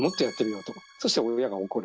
そして親が怒る。